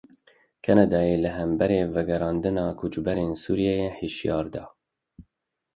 Kanadayê li hember vegerandina koçberên Sûriyê hişyarî da.